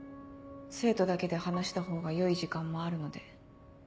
生徒だけで話した方がよい時間もあるので。